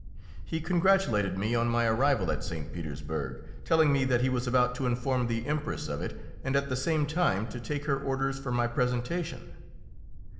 He congratulated me on my arrival at St. Petersburg, telling me that he was about to inform the Empress of it and at the same time to take her orders for my presentation.